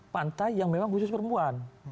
pantai yang memang khusus perempuan